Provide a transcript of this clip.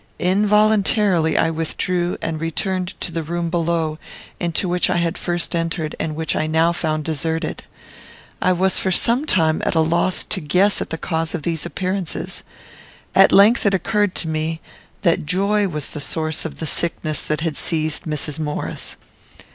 Involuntarily I withdrew, and returned to the room below, into which I had first entered, and which I now found deserted. I was for some time at a loss to guess at the cause of these appearances. At length it occurred to me, that joy was the source of the sickness that had seized Mrs. Maurice.